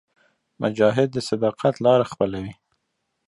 مجاهد د صداقت لاره خپلوي.